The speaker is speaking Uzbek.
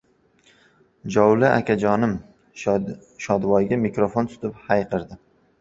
Jovli akajonim Shodivoyga mikrofon tutib, hayqirdi.